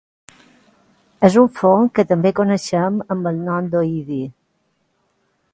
És un fong que també coneixem amb el nom d'oïdi.